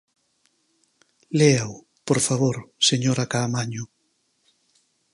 Léao, por favor, señora Caamaño.